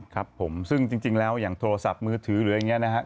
ครับผมซึ่งจริงแล้วอย่างโทรศัพท์มือถือหรืออย่างนี้นะครับ